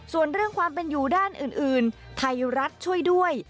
ส่วนเรื่องความเป็นอยู่ด้านอื่นไทยรัฐช่วยด้วย